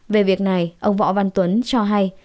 về việc này ông võ văn tuấn cho hay